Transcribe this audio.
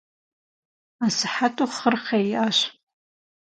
Асыхьэту хъыр хъеящ.